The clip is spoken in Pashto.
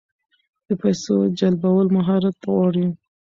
د پیسو جلبول مهارت غواړي.